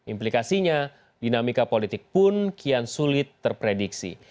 implikasinya dinamika politik pun kian sulit terprediksi